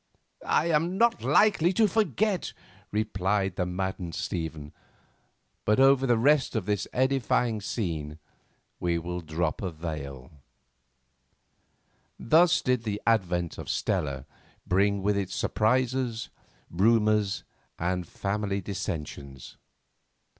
"I am not likely to forget it," replied the maddened Stephen; but over the rest of this edifying scene we will drop a veil. Thus did the advent of Stella bring with it surprises, rumours, and family dissensions.